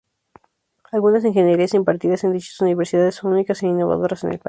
Algunas ingenierías impartidas en dichas universidades, son únicas e innovadoras en el país.